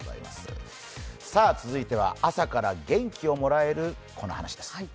続いては朝から元気をもらえるこの話です。